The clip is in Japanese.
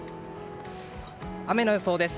雨の予想です。